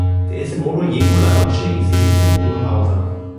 De ese modo llegó la noche y se hizo una pausa.